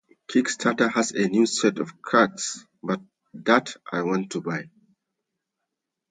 Kickstarter has a new set of cards out that I want to buy.